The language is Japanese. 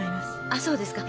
あっそうですか。